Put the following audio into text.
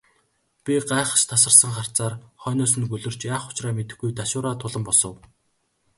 Би гайхаш тасарсан харцаар хойноос нь гөлөрч, яах учраа мэдэхгүй ташуураа тулан босов.